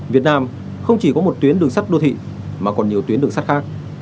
việt nam không chỉ có một tuyến đường sắt đô thị mà còn nhiều tuyến đường sắt khác